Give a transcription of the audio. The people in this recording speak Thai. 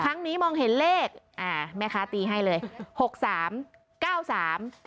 ครั้งนี้มองเห็นเลขอ่าแม่ค้าตีให้เลยหกสามเก้าสาม